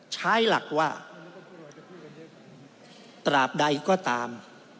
ใช้หลักว่าตราบใดก็ตาม